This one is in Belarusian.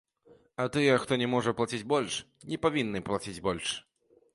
А тыя, хто не можа плаціць больш, не павінны плаціць больш.